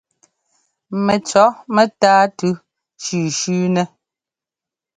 Mɛcʉɔ mɛ́táa tʉ shʉ̌shʉ̌ nɛ́.